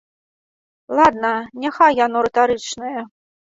Ладна, няхай яно рытарычнае.